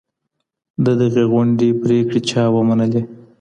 د دغي غونډې پرېکړې چا ومنلې؟